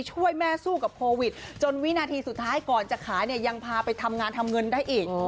ช่วยแม่สู้กับโควิดจนวินาทีสุดท้ายก่อนจะขายเนี่ยยังพาไปทำงานทำเงินได้อีก